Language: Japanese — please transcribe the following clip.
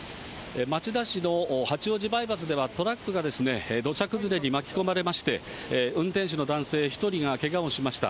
町田市の八王子バイパスではトラックが土砂崩れに巻き込まれまして、運転手の男性１人がけがをしました。